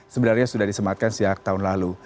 sebenarnya sudah disematkan sejak tahun lalu